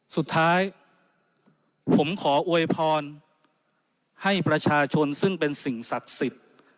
สุดท้ายผมขออวยพรให้ประชาชนซึ่งเป็นสิ่งศักดิ์สิทธิ์